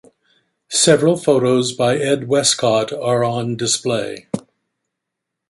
Several photos by Ed Westcott are on display.